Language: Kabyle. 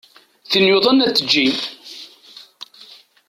Tin yuḍnen ad tejji.